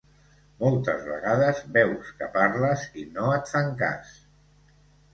Moltes vegades veus que parles i no et fan cas.